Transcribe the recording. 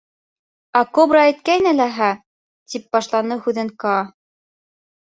— Ә кобра әйткәйне ләһә, — тип башланы һүҙен Каа.